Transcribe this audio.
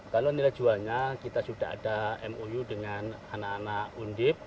kalau nilai jualnya kita sudah ada mou dengan anak anak undip